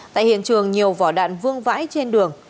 tại hiện trường nhiều vỏ đạn vương vãi trên đường